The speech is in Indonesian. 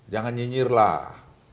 jangan nyinyir lah